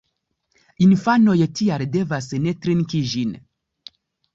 Infanoj tial devas ne trinki ĝin.